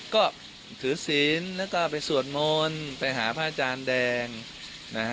ก็ถือศีลแล้วก็ไปสวดมนต์ไปหาพระอาจารย์แดงนะฮะ